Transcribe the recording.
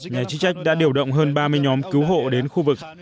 nhà chức trách đã điều động hơn ba mươi nhóm cứu hộ đến khu vực